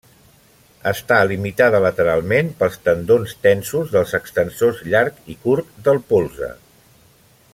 Està limitada lateralment pels tendons tensos dels extensors llarg i curt del polze.